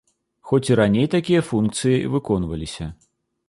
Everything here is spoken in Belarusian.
Хоць і раней такія функцыя выконваліся.